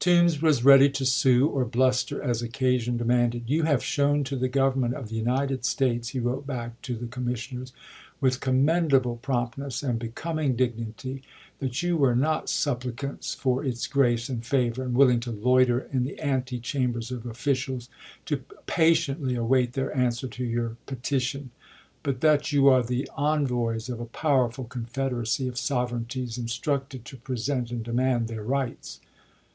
Toombs was ready to sue or bluster as occasion demanded. " You have shown to the Government of the United States," he wrote back to the com missioners, "with commendable promptness and becoming dignity that you were not supplicants for its grace and favor, and willing to loiter in the antechambers of officials to patiently await their answer to your petition ; but that you are the en voys of a powerful confederacy of sovereignties, instructed to present and demand their rights."